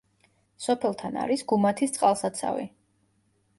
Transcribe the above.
სოფელთან არის გუმათის წყალსაცავი.